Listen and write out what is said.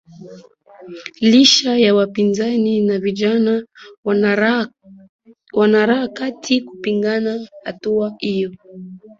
licha ya wa pinzani na vijana wanaharakati kupinga hatua hiyo